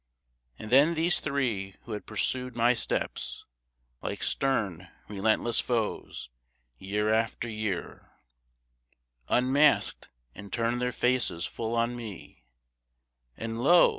And then these three who had pursued my steps Like stern, relentless foes, year after year, Unmasked, and turned their faces full on me, And lo!